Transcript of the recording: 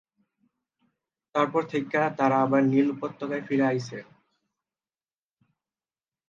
তারপর থেকে, তারা আবার নীল উপত্যকায় ফিরে এসেছে।